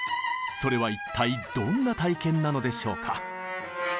それは一体どんな体験なのでしょうか。